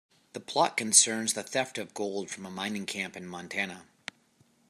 The plot concerns the theft of gold from a mining camp in Montana.